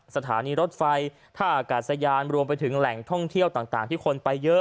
สถานีรถไฟท่าอากาศยานรวมไปถึงแหล่งท่องเที่ยวต่างที่คนไปเยอะ